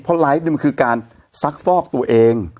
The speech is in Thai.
เพราะไลฟ์มันคือการซักฟอกตัวเอง